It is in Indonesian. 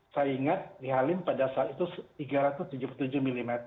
saya ingat di halim pada saat itu tiga ratus tujuh puluh tujuh mm